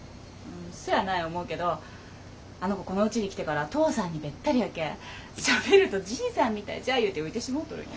そうやない思うけどあの子このうちに来てから父さんにべったりやけぇしゃべるとじいさんみたいじゃいうて浮いてしもうとるんよ。